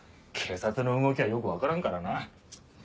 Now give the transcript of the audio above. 警察の動きはよく分からんからな。